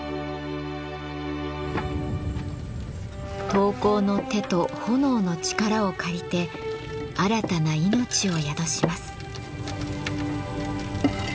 陶工の手と炎の力を借りて新たな命を宿します。